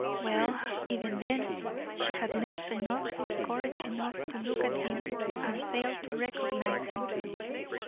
Well, even then, she had nerve enough, courage enough, to look at him and fail to recognize him.